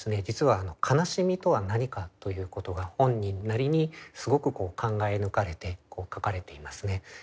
実は「悲しみとは何か」ということが本人なりにすごく考え抜かれて書かれていますね。